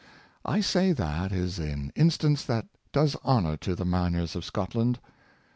I say that is an instance that does honor to the miners of Scotland.